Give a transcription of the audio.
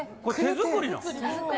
これ手作りなん？